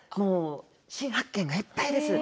新発見がいっぱいです。